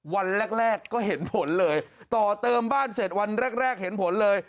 วันแรกก็เห็นผลเลยต่อเติมบ้านเสร็จวันแรกแรกเห็นผลเลย